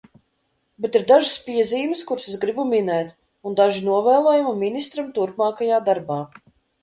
Bet ir dažas piezīmes, kuras es gribu minēt, un daži novēlējumi ministram turpmākajā darbā.